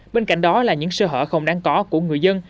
bên cạnh đó là những sơ hở không đáng có của người dân